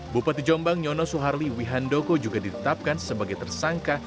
bupati jombang nyono suharli wihandoko juga ditetapkan sebagai tersangka